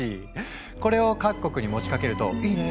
これを各国に持ちかけると「いいね！」